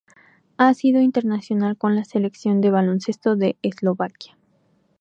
Ha sido internacional con la Selección de baloncesto de Eslovaquia.